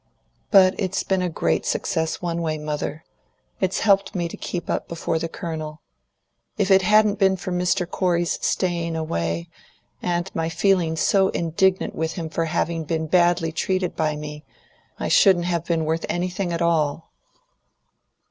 But it's been a great success one way, mother. It's helped me to keep up before the Colonel. If it hadn't been for Mr. Corey's staying away, and my feeling so indignant with him for having been badly treated by me, I shouldn't have been worth anything at all."